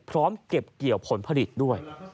พร้อมเก็บเกี่ยวผลผลิตด้วย